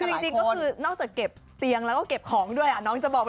คือจริงก็คือนอกจากเก็บเตียงแล้วก็เก็บของด้วยน้องจะบอก